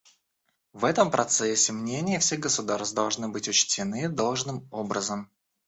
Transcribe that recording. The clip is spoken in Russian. В этом процессе мнения всех государств должны быть учтены должным образом.